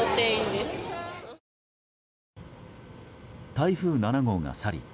台風７号が去り